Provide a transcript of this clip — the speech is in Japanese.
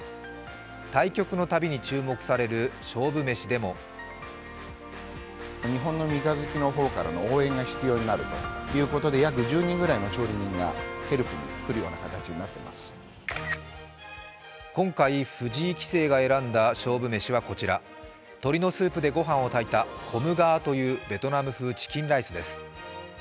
対局のたびに注目される勝負メシでも今回、藤井棋聖が選んだ勝負メシはこちら、鶏のスープでごはんを炊いたコムガーというベトナム風チキンライスです。